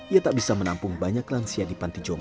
ia tak bisa menampung banyak lansia di panti jombang